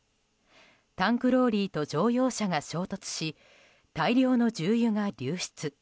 タンクローリーと乗用車が衝突し大量の重油が流出。